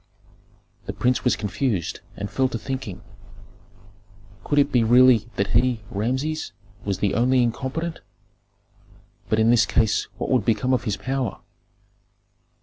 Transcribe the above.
The prince was confused and fell to thinking. Could it be really that he, Rameses, was the only incompetent? But in this case what would become of his power?